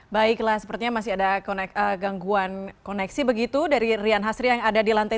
baiklah sepertinya masih ada gangguan koneksi begitu dari rian hasri yang ada di lantai tiga